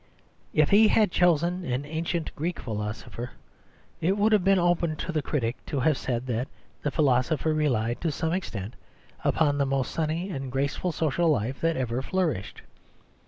If he had chosen an ancient Greek philosopher, it would have been open to the critic to have said that that philosopher relied to some extent upon the most sunny and graceful social life that ever flourished.